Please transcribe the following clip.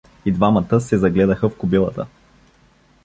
И двамата се загледаха в кобилата.